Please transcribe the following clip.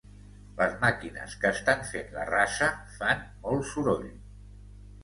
Les màquines que estan fent la rasa fan molt soroll